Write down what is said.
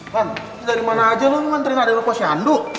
kan dari mana aja lo nganterin adik lo ke shandu